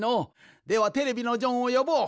ではテレビのジョンをよぼう！